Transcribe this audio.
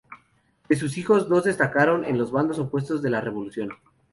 De sus hijos dos destacaron en los bandos opuestos de la revolución.